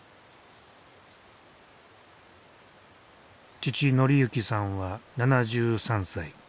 父紀幸さんは７３歳。